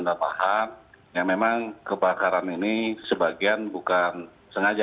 yang memang kebakaran ini sebagian bukan